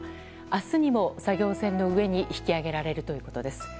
明日にも作業船の上に引き揚げられるということです。